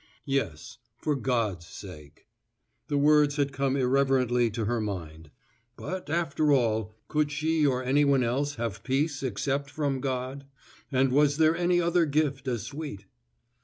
Yes, for God's sake. The words had come irreverently to her mind. But after all, could she or anyone else have peace except from God? and was there any other gift as sweet?